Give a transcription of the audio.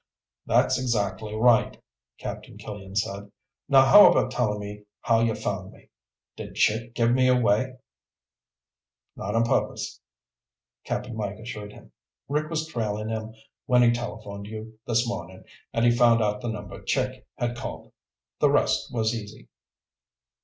"That's exactly right," Captain Killian said. "Now how about telling me how you found me? Did Chick give me away?" "Not on purpose," Cap'n Mike assured him. "Rick was trailing him when he telephoned you this morning, and he found out the number Chick had called. The rest was easy."